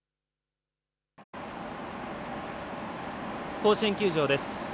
甲子園球場です。